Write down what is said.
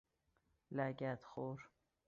لگد خور